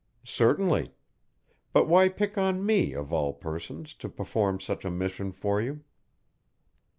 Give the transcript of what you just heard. "Certainly. But why pick on me, of all persons, to perform such a mission for you?"